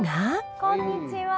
こんにちは。